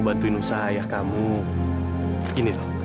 aus aus ada abdusnya